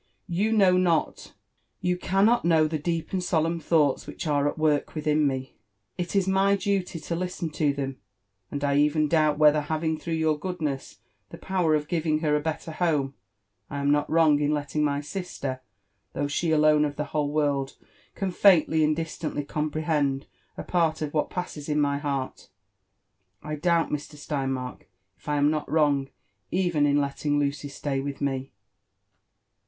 You know not — you cannot know the deep and solemn thoughts which are at work within me. It is my duty to listen to them, and I even doubt whether — having, through your goodness, the power of giving her a better home — I am not wrong in letting ray sister — though she alone of the whole world can faintly and distantly comprehend a part of what passses in my heart, — I doubt, Mr. Sieinmark, if I am not wrong even in letting Lucy stay with me."